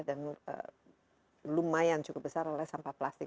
lumayan cukup besar oleh sampah plastik